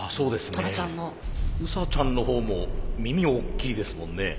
ウサちゃんのほうも耳大きいですもんね。